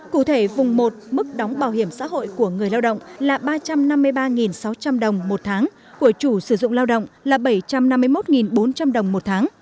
cụ thể vùng một mức đóng bảo hiểm xã hội của người lao động là ba trăm năm mươi ba sáu trăm linh đồng một tháng của chủ sử dụng lao động là bảy trăm năm mươi một bốn trăm linh đồng một tháng